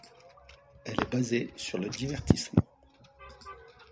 Elle est basée sur le divertissement.